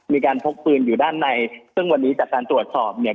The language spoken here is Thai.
พกปืนอยู่ด้านในซึ่งวันนี้จากการตรวจสอบเนี่ย